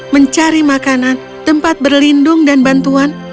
mencari makanan tempat berlindung dan bantuan